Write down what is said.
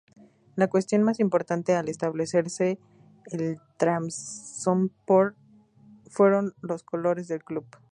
La cuestión más importante al establecerse el Trabzonspor fueron los colores del club.